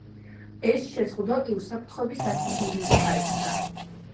ეს შეზღუდვა კი უსაფრთხოების დაცვის მიზეზით აიხსნა.